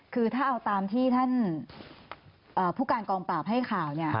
คือถ้าเอาตามที่ท่านผู้การกองปราบให้ข่าว